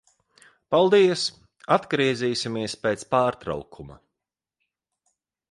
Paldies. Atgriezīsimies pēc pārtraukuma.